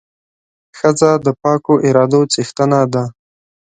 ښځه د پاکو ارادو څښتنه ده.